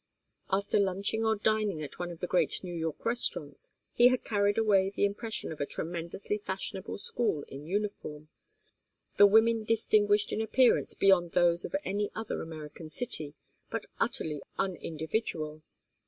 After lunching or dining at one of the great New York restaurants he had carried away the impression of a tremendously fashionable school in uniform the women distinguished in appearance beyond those of any other American city, but utterly unindividual.